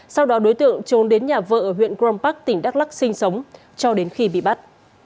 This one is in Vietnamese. sau đó đối tượng trốn đến nhà vợ ở huyện grom park tỉnh đắk lắc sinh sống cho đến khi bị bắt